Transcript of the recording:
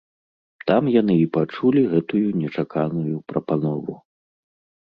Там яны і пачулі гэтую нечаканую прапанову.